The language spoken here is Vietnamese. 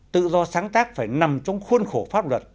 tự do sáng tác phải nằm trong khuôn khổ pháp luật